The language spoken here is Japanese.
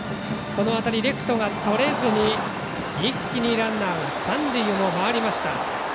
この当たりレフトがとれずに一気にランナーが三塁も回りました。